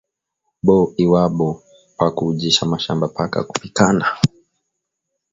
Bo lwabo paku ujisha mashamba paka kupikana